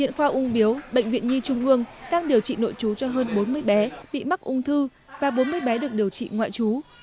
hiện khoa ung biếu bệnh viện nhi trung ương đang điều trị nội chú cho hơn bốn mươi bé bị mắc ung thư và bốn mươi bé được điều trị ngoại trú